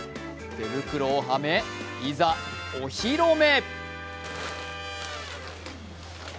手袋をはめ、いざ、お披露目。